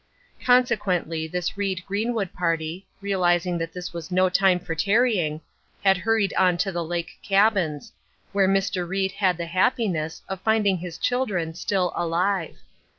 Consequently this Reed Greenwood party, realizing that this was no time for tarrying, had hurried on to the lake cabins, where Mr. Reed had the happiness of finding his children still alive.